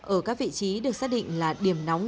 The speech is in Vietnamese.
ở các vị trí được xác định là điểm nóng